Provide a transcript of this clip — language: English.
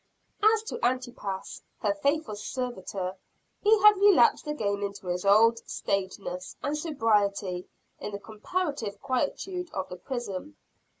As to Antipas, her faithful servitor, he had relapsed again into his old staidness and sobriety in the comparative quietude of the prison.